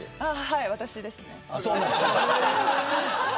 はい、私ですね。